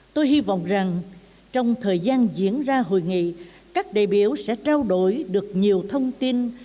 tôi hy vọng rằng trong thời gian diễn ra hội nghị các đại biểu sẽ trao đổi được nhiều thông tin